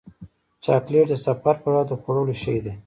چاکلېټ د سفر پر وخت د خوړلو شی دی.